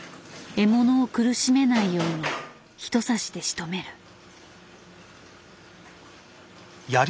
獲物を苦しめないように一刺しでしとめる。